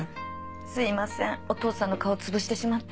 すみませんお父さんの顔つぶしてしまって。